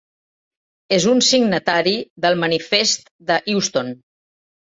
És un signatari del Manifest de Euston.